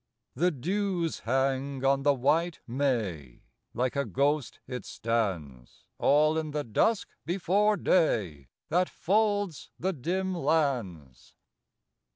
The dews hang on the white may, Like a ghost it stands, All in the dusk before day That folds the dim lands; 6 82 FROM QUEENS' GARDENS.